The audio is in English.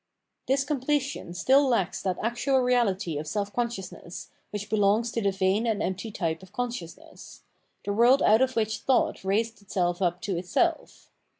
This completion still lacks that actual reahty of self consciousness, which belongs to the vain and empty type of consciousness — the world out of which thought raised itself up to itself.